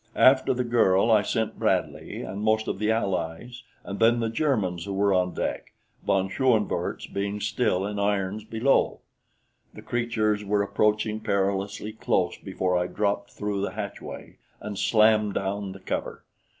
After the girl I sent Bradley and most of the Allies and then the Germans who were on deck von Schoenvorts being still in irons below. The creatures were approaching perilously close before I dropped through the hatchway and slammed down the cover.